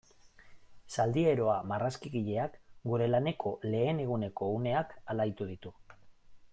Zaldieroa marrazkigileak gure laneko lehen eguneko uneak alaitu ditu.